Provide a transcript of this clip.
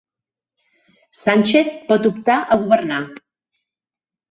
Sánchez pot optar a governar